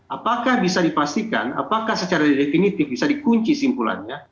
apakah bisa dipastikan apakah secara definitif bisa dikunci simpulannya